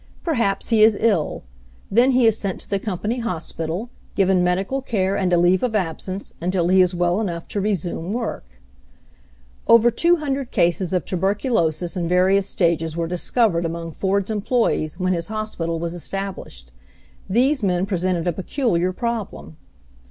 Perhaps he is ill. Then he is sent to the com pany hospital, given medical care and a leave of absence until he is well enough to resume work. Over 200 cases of tuberculosis in various stages were discovered among Ford's employees when his hospital was established. These men pre sented a peculiar problem.